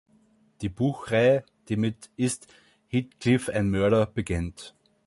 Die Buchreihe, die mit "Ist Heathcliff ein Mörder?" beginnt.